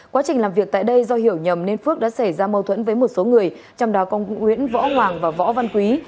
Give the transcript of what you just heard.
quá trình làm việc tại đây do hiểu nhầm nên phước đã xảy ra mâu thuẫn với một số người trong đó có nguyễn võ hoàng và võ văn quý